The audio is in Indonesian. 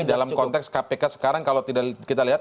dalam konteks kpk sekarang kalau tidak kita lihat